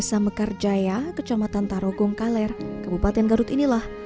desa mekarjaya kecamatan tarogong kaler kabupaten garut inilah